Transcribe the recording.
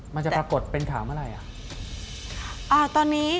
มันจะปรากฏเป็นขามอะไร